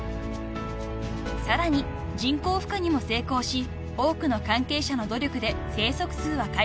［さらに人工ふ化にも成功し多くの関係者の努力で生息数は回復。